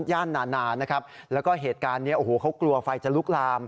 ย่านนานานะครับแล้วก็เหตุการณ์เนี้ยโอ้โหเขากลัวไฟจะลุกลาม